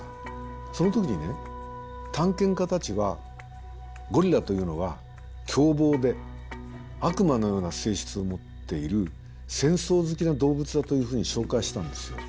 その時にね探検家たちはゴリラというのは凶暴で悪魔のような性質を持っている戦争好きな動物だというふうに紹介したんですよ。